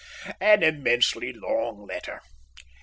An immensely long letter!